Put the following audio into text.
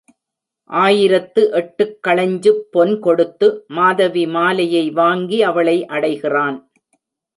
ஆயிரத்து எட்டுக் கழஞ்சுப் பொன் கொடுத்து மாதவி மாலையை வாங்கி அவளை அடைகிறான்.